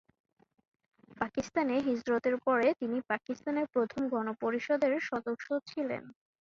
পাকিস্তানে হিজরতের পরে তিনি পাকিস্তানের প্রথম গণপরিষদের সদস্য ছিলেন।